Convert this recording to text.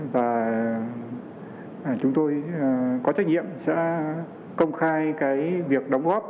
và chúng tôi có trách nhiệm sẽ công khai cái việc đóng góp